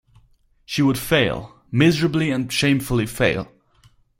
She would fail, miserably and shamefully fail.